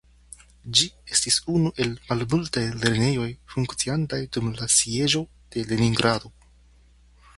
Ĝi estis unu el malmultaj lernejoj funkciantaj dum la Sieĝo de Leningrado.